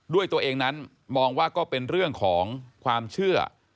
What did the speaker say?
ด้วยตัวเองนั้นมองว่าก็เป็นเรื่องของความเชื่อ